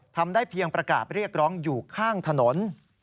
ทำได้เพียงประกาศเรียกร้องอยู่ข้างถนน